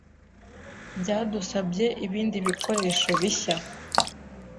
byadusabye ibindi bikoresho bishya